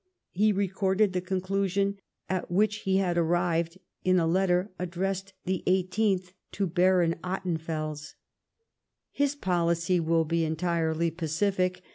lie recorded the conclusion at which he had arrived in a letter addressed, the 18th, to Baron Ottenfels. " His policy will be entirely pacific.